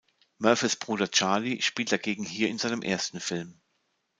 Murphys Bruder Charly spielt dagegen hier in seinem ersten Film.